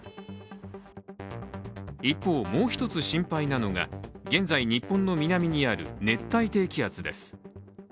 一方、もう一つ心配なのが現在日本の南にある熱帯低気圧です。